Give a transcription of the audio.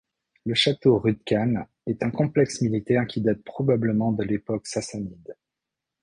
Le château Rud-khan est un complexe militaire qui date probablement de l'époque Sassanide.